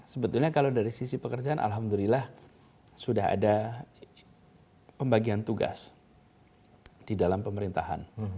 sebetulnya kalau dari sisi pekerjaan alhamdulillah sudah ada pembagian tugas di dalam pemerintahan